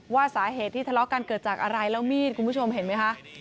ว่าสาเหตุที่ทะเลาะกันเกิดจากอะไรแล้วมีดคุณผู้ชมเห็นไหมคะ